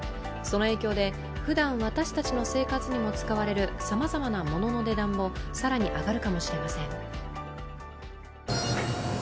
その影響で、ふだん私たちの生活にも使われるさまざまなものの値段も更に上がるかもしれません。